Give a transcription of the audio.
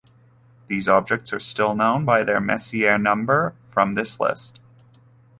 These objects are still known by their "Messier number" from this list.